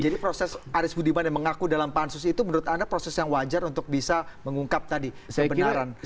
jadi proses aris budiman yang mengaku dalam pansus itu menurut anda proses yang wajar untuk bisa mengungkap tadi kebenaran